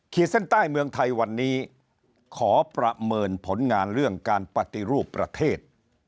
เส้นใต้เมืองไทยวันนี้ขอประเมินผลงานเรื่องการปฏิรูปประเทศ